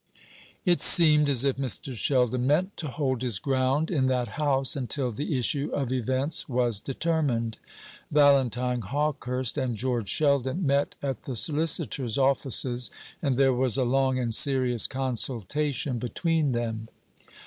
It seemed as if Mr. Sheldon meant to hold his ground in that house until the issue of events was determined. Valentine Hawkehurst and George Sheldon met at the solicitor's offices, and there was a long and serious consultation between them.